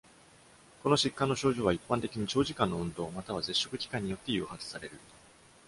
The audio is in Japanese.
この疾患の症状は、一般的に長時間の運動または絶食期間によって誘発される。